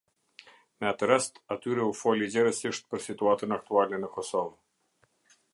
Me atër rast atyre u foli gjerësisht për situatën aktuale në Kosovë.